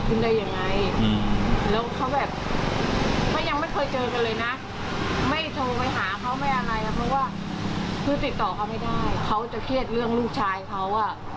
เพราะว่าถ้าเค้ามีเงินเค้าก็จะต้องใช้หนี้หมด